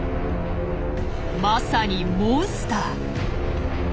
まさにモンスター！